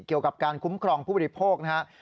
เกี่ยวกับการคุ้มครองผู้บริโภคนะครับ